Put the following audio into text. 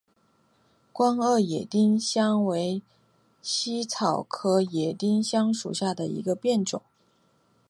光萼野丁香为茜草科野丁香属下的一个变种。